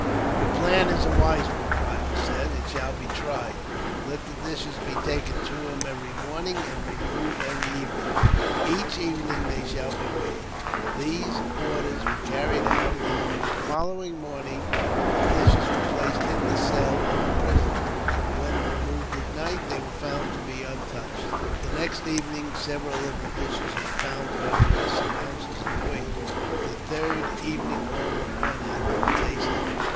"Your plan is a wise one," the rajah said. "It shall be tried. Let the dishes be taken to him, every morning, and removed every evening. Each evening they shall be weighed." These orders were carried out, and on the following morning the dishes were placed in the cell of the prisoner. When removed at night, they were found to be untouched. The next evening several of the dishes were found to have lost some ounces in weight. The third evening all but one had been tasted.